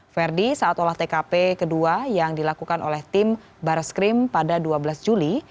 ferdi saat olah tkp kedua yang dilakukan oleh tim barreskrim pada dua belas juli